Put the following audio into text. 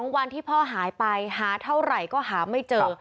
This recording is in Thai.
วันที่พ่อหายไปหาเท่าไหร่ก็หาไม่เจอ